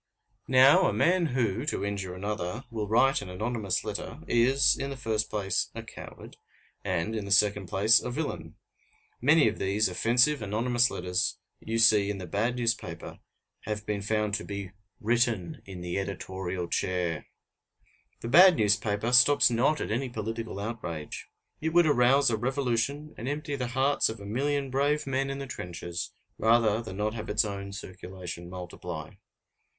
Now, a man who, to injure another, will write an anonymous letter, is, in the first place, a coward, and, in the second place, a villain. Many of these offensive anonymous letters you see in the bad newspaper have been found to be written in the editorial chair. The bad newspaper stops not at any political outrage. It would arouse a revolution, and empty the hearts of a million brave men in the trenches, rather than not have its own circulation multiply.